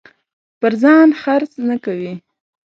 پر ځان خرڅ نه کوي.